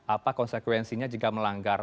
apa konsekuensinya jika melanggar